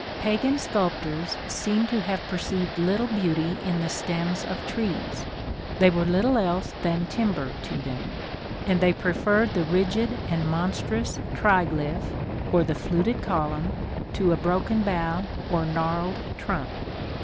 Pagan sculptors seem to have perceived little beauty in the stems of trees; they were little else than timber to them; and they preferred the rigid and monstrous triglyph, or the fluted column, to a broken bough or gnarled trunk.